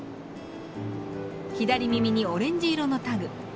左耳にオレンジ色のタグ。